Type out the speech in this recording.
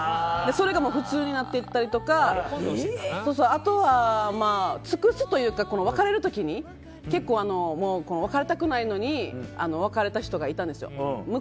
それが普通になっていったりとかあとは尽くすというか別れる時に結構、別れたくないのに別れた人がいたんですよ。